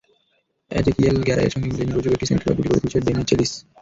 Ezekiel গ্যারাইয়ের সঙ্গে মিলে নির্ভরযোগ্য একটা সেন্টার ব্যাক জুটি গড়ে তুলেছে ডেমিচেলিস।